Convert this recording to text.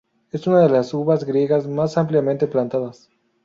Es una de las uvas griegas más ampliamente plantadas.